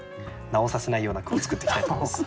直させないような句を作ってきたいと思います。